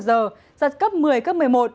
giật cấp một mươi cấp một mươi một